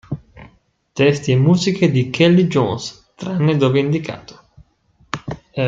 Testi e musiche di Kelly Jones, tranne dove indicato.